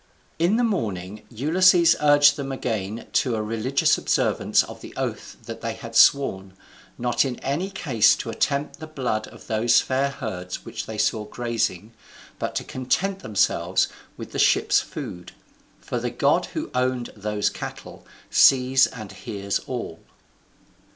In the morning Ulysses urged them again to a religious observance of the oath that they had sworn, not in any case to attempt the blood of those fair herds which they saw grazing, but to content themselves with the ship's food; for the god who owned those cattle sees and hears all.